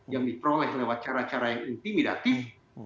yang diperoleh lewat cara cara yang intimidatif